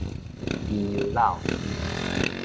豬油粩